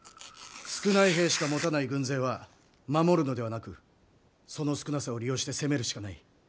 少ない兵しか持たない軍勢は守るのではなくその少なさを利用して攻めるしかない。